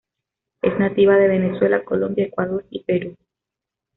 Es nativa de Venezuela, Colombia, Ecuador y Perú.